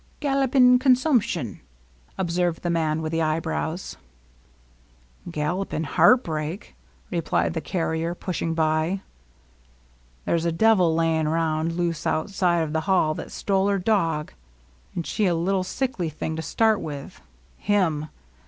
— gallop in' consum'tion," observed the man with the eye brows. LOVELINESS. 27 '^ Gallopin' heartbreak/' replied the carrier, push ing by. There 's a devil layin' round loose out side of hell that ^tole her dog, — and she a little sickly thing to start with, him